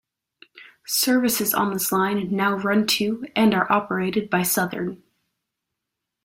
Services on this line now run to and are operated by Southern.